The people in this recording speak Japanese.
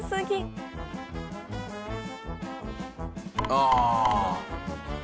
ああ。